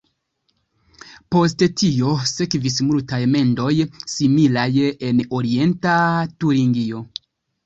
Post tio sekvis multaj mendoj similaj en Orienta Turingio.